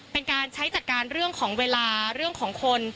เป็นการใช้จัดการเรื่องของเวลาเรื่องของคน